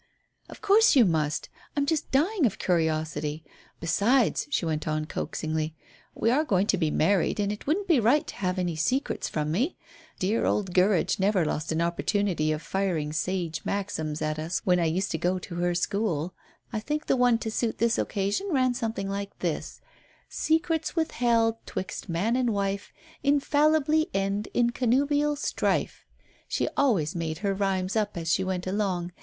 "Of course you must. I'm just dying of curiosity. Besides," she went on coaxingly, "we are going to be married, and it wouldn't be right to have any secrets from me. Dear old Gurridge never lost an opportunity of firing sage maxims at us when I used to go to her school. I think the one to suit this occasion ran something like this 'Secrets withheld 'twixt man and wife, Infallibly end in connubial strife.' "She always made her rhymes up as she went along.